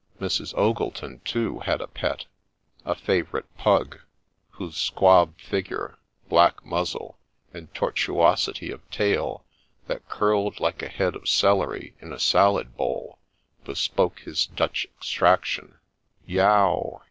Mrs. Ogleton, too, had a pet, — a favourite pug, — whose squab figure, black muzzle, and tortuosity of tail, that curled like a head of celery in a salad bowl, bespoke his Dutch extraction. Yow